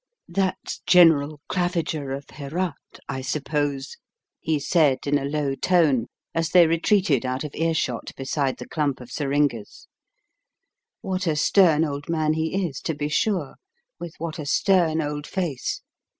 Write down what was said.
"That's General Claviger of Herat, I suppose," he said in a low tone, as they retreated out of ear shot beside the clump of syringas. "What a stern old man he is, to be sure, with what a stern old face!